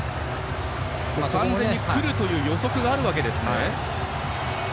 完全に来るという予測があるわけですね。